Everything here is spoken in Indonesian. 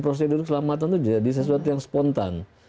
prosedur keselamatan itu jadi sesuatu yang spontan